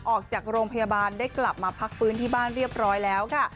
ออกจากโรงพยาบาลได้กลับมาพักฟื้นที่บ้านเรียบร้อยแล้วค่ะ